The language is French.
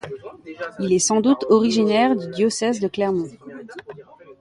Il est sans doute originaire du diocèse de Clermont.